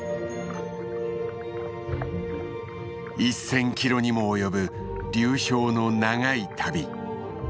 １，０００キロにも及ぶ流氷の長い旅。